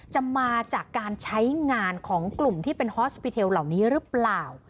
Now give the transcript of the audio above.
มาจากการใช้งานของกลุ่มที่เป็นฮอสปิเทลเหล่านี้หรือเปล่า